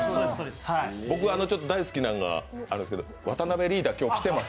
僕、大好きなんがあるんですけど、渡辺リーダー、今日来てます？